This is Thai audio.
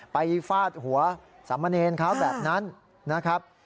ฟาดหัวสามเณรเขาแบบนั้นนะครับ